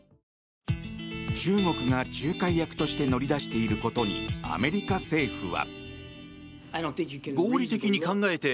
中国が仲介役として乗り出していることにアメリカ政府は。